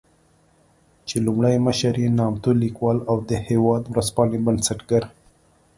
چې لومړی مشر يې نامتو ليکوال او د "هېواد" ورځپاڼې بنسټګر